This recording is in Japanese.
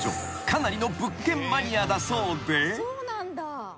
かなりの物件マニアだそうで］